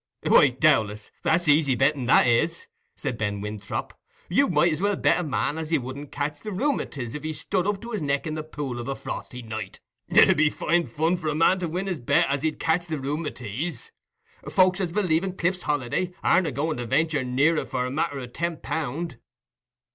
"Why, Dowlas, that's easy betting, that is," said Ben Winthrop. "You might as well bet a man as he wouldn't catch the rheumatise if he stood up to 's neck in the pool of a frosty night. It 'ud be fine fun for a man to win his bet as he'd catch the rheumatise. Folks as believe in Cliff's Holiday aren't agoing to ventur near it for a matter o' ten pound."